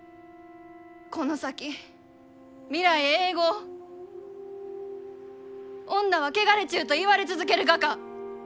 この先未来永劫「女は汚れちゅう」と言われ続けるがか？